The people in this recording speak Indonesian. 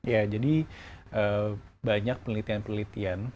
ya jadi banyak penelitian penelitian